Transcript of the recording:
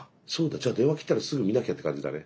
じゃあ電話切ったらすぐ見なきゃって感じだね。